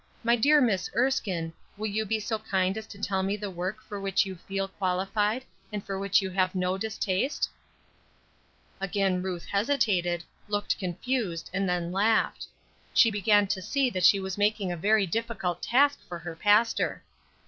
"My dear Miss Erskine, will you be so kind as to tell me the work for which you feel qualified, and for which you have no distaste?" Again Ruth hesitated, looked confused, and then laughed. She began to see that she was making a very difficult task for her pastor.